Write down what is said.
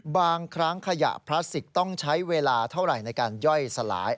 บางครั้งขยะพลาสติกต้องใช้เวลาเท่าไหร่ในการย่อยสลาย